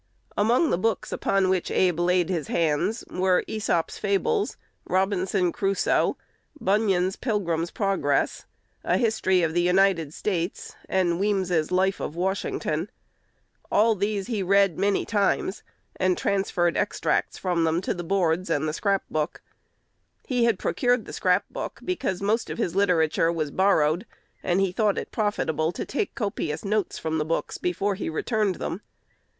Among the books upon which Abe "laid his hands" were "Æsop's Fables," "Robinson Crusoe," Bunyan's "Pilgrim's Progress," a "History of the United States," and Weems's "Life of Washington." All these he read many times, and transferred extracts from them to the boards and the scrapbook. He had procured the scrap book because most of his literature was borrowed, and he thought it profitable to take copious notes from the books before he returned them.